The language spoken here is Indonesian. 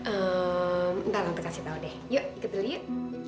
ehm entar tante kasih tau deh yuk ikut dulu yuk